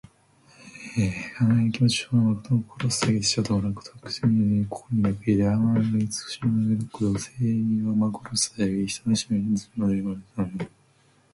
哀切な気持ちと誠の心をささげて死者を弔うこと。「銜」は心に抱く意で、「銜哀」は哀しみを抱くこと、「致誠」は真心をささげる意。人の死を悼む時に用いる語。「哀を銜み誠を致す」とも読む。